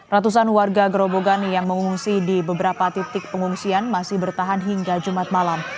ratusan warga gerobogan yang mengungsi di beberapa titik pengungsian masih bertahan hingga jumat malam